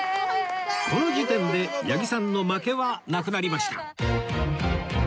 この時点で八木さんの負けはなくなりました